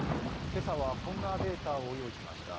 今朝はこんなデータを用意しました。